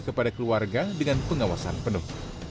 kepada keluarga dengan pengawasan penuh